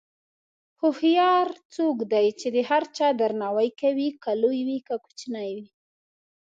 هوښیار څوک دی چې د هر چا درناوی کوي، که لوی وي که کوچنی.